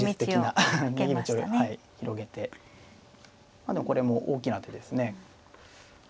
まあでもこれも大きな手ですね。